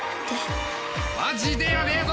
マジでヤベえぞ！